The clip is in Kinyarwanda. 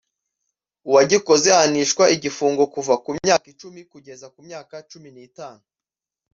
uwagikoze ahanishwa igifungo kuva ku myaka icumi kugeza ku myaka cumi n’itanu